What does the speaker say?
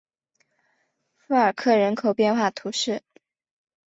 富尔克人口变化图示